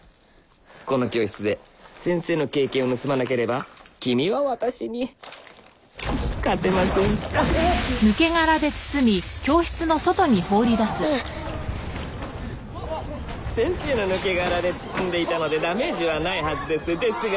この教室で先生の経験を盗まなければ君は私に勝てませんうっ先生の抜け殻で包んでいたのでダメージはないはずですですが